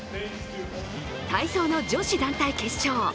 体操の女子団体決勝。